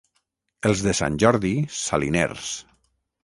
Els de Sant Jordi, saliners.